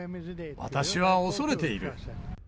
私は恐れている。